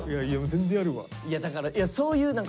全然やるわ。